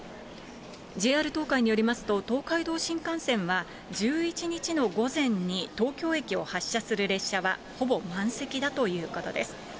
ＪＲ東海によりますと、東海道新幹線は１１日の午前に東京駅を発車する列車はほぼ満席だということです。